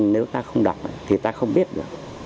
nếu ta không đọc thì ta không biết được